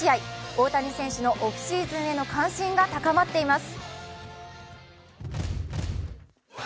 大谷選手のオフシーズンへの関心が高まっています。